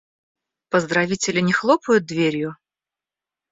Поздравители не хлопают дверью?